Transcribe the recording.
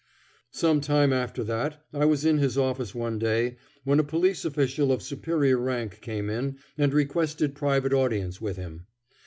Some time after that I was in his office one day when a police official of superior rank came in and requested private audience with him.